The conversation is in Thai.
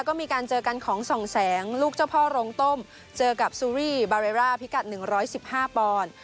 ก็มีการเจอกันของส่องแสงลูกเจ้าพ่อโรงต้มเจอกับซูรีบาร์เรร่าพิกัดหนึ่งร้อยสิบห้าปอนด์